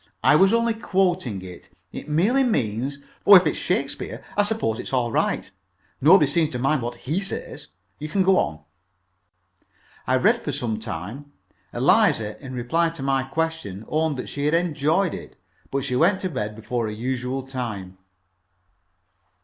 I was only quoting it. It merely means " "Oh, if it's Shakespeare I suppose it's all right. Nobody seems to mind what he says. You can go on." I read for some time. Eliza, in reply to my question, owned that she had enjoyed it, but she went to bed before her usual time.